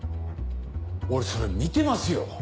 俺それ見てますよ。